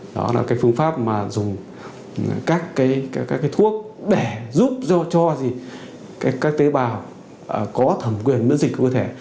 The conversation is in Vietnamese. đó là cái phương pháp mà dùng các cái thuốc để giúp cho các tế bào có thẩm quyền miễn dịch của cơ thể